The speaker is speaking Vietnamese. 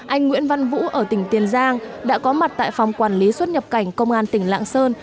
anh nguyễn văn vũ ở tỉnh tiền giang đã có mặt tại phòng quản lý xuất nhập cảnh công an tỉnh lạng sơn